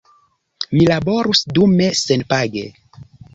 Mi laborus dume senpage.